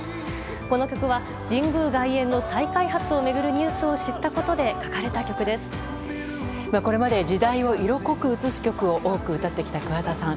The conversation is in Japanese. この曲は神宮外苑の再開発を巡るニュースを知ったことでこれまで時代を色濃く映す曲を多く歌ってきた桑田さん。